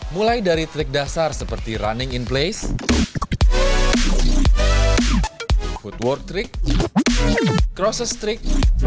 mulai dari trik dasar seperti running in place footwork trik crosses trik